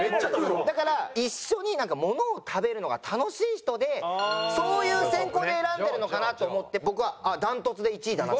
だから一緒にものを食べるのが楽しい人でそういう選考で選んでるのかなと思って僕は断トツで１位だなと。